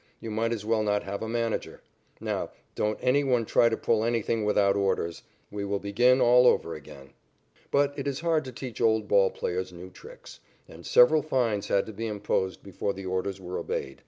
You might as well not have a manager. Now don't any one try to pull anything without orders. We will begin all over again." But it is hard to teach old ball players new tricks, and several fines had to be imposed before the orders were obeyed.